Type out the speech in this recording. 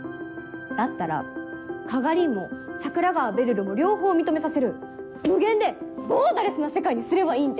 だったら加賀凛も桜川べるるも両方認めさせる無限でボーダーレスな世界にすればいいんじゃん？